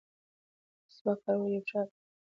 مسواک کارول یو ښه عادت دی.